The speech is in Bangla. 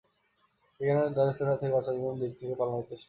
বিজ্ঞানীরা ডাইনোসরের হাত থেকে বাঁচার জন্য দ্বীপ থেকে পালানোর চেষ্টা করেন।